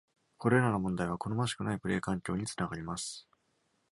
これらの問題は、好ましくないプレー環境につながります。